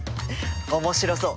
面白そう！